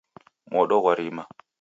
Modo ghwarima.